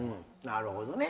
なるほどね。